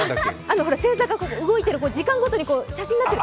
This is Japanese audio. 星座が動いている、時間ごとに写真になっている。